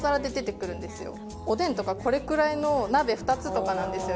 おでんとかこれくらいの鍋２つとかなんですよ